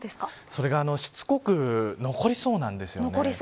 それが、しつこく残りそうなんですよね。